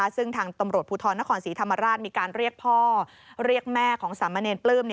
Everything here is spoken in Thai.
ซึ่งทางตำรวจภูทรนครศรีธรรมราชมีการเรียกพ่อเรียกแม่ของสามเณรปลื้ม